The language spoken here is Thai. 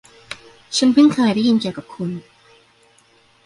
ฉันพึ่งเคยได้ยินเกี่ยวกับคุณ